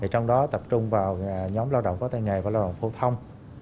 trong đó tập trung vào nhóm lao động có tay nghề và lao động phổ thông